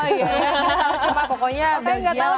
pokoknya belgia lawan